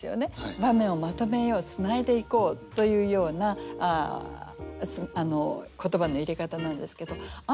場面をまとめようつないでいこうというような言葉の入れ方なんですけどあ